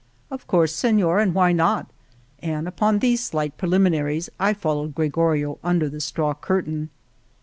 Of course, Senor, and why not ?" and upon these slight preliminaries I followed Gregorio under the straw curtain.